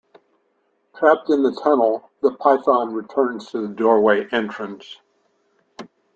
Trapped in the tunnel, the python returns to the doorway entrance.